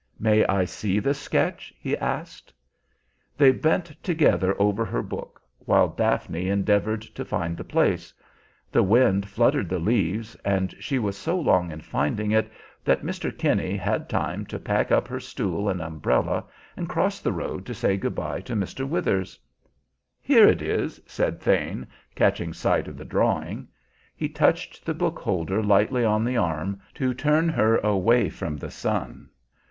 "May I see the sketch?" he asked. They bent together over her book, while Daphne endeavored to find the place; the wind fluttered the leaves, and she was so long in finding it that Mr. Kinney had time to pack up her stool and umbrella, and cross the road to say good by to Mr. Withers. "Here it is," said Thane, catching sight of the drawing. He touched the book holder lightly on the arm, to turn her away from the sun.